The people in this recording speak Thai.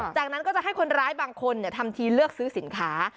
จากนั้นก็จะให้คนร้ายบางคนทำทีเลือกซื้อสินค้า